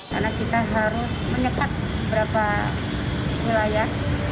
karena kita harus menyekat beberapa wilayah